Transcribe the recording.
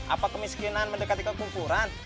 apa kemiskinan mendekati kekumpulan